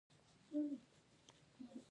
د ګزګیرې ریښه د څه لپاره وکاروم؟